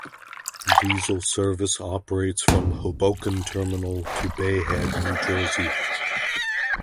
Diesel service operates from Hoboken Terminal to Bay Head, New Jersey.